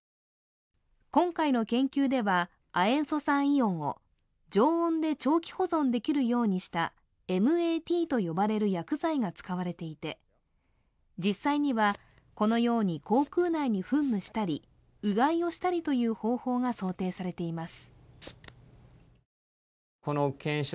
今回の研究では、亜塩素酸イオンを常温で長期保存できるようにしたＭＡ−Ｔと呼ばれる薬剤が使われていて、実際にはこのように口くう内に噴霧したり、うがいをしたりという方法が想定されています。